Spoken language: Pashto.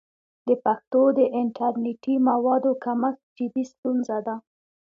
د پښتو د انټرنیټي موادو کمښت جدي ستونزه ده.